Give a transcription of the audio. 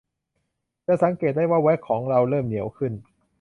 จะสังเกตได้ว่าแว็กซ์ของเราเริ่มเหนียวขึ้น